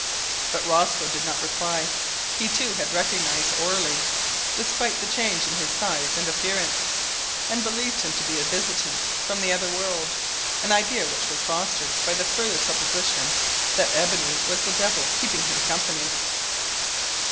But Rosco did not reply. He, too, had recognised Orley, despite the change in his size and appearance, and believed him to be a visitant from the other world, an idea which was fostered by the further supposition that Ebony was the devil keeping him company.